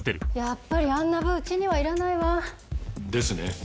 やっぱりあんな部うちにはいらないわ。ですね。